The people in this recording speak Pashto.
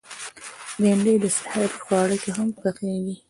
بېنډۍ د سحري خواړه کې هم پخېږي